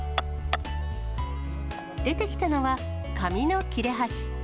出てきたのは、紙の切れ端。